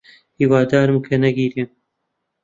هیوادارم کە نەگیرێم.